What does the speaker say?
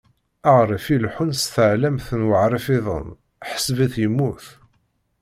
Aɣref ileḥḥun s tɛellamt n weɣref-iḍen, ḥseb-it yemmut.